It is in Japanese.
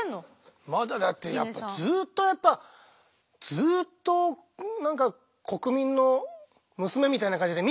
まだだってやっぱずっとやっぱずっと何か国民の娘みたいな感じで見ちゃうわね。